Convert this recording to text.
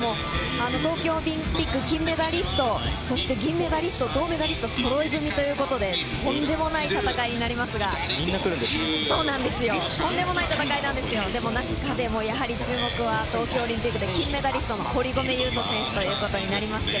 東京オリンピック金メダリスト、そして銀メダリスト、銅メダリストそろい踏みということでとんでもない戦いになりますが、中でもやはり注目は東京オリンピックで金メダリストの堀米雄斗選手ということになります。